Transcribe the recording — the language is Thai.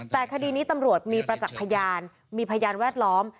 แต่คดีนี้ตำรวจมีประจักษ์พยานมีพยานแวดล้อม